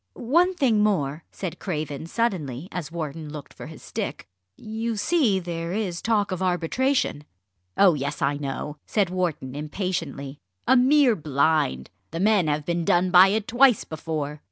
"One thing more," said Craven suddenly, as Wharton looked for his stick "you see there is talk of arbitration." "Oh yes, I know!" said Wharton impatiently; "a mere blind. The men have been done by it twice before.